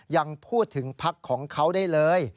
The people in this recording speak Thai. ยังพูดถึงพักของเขาได้เลย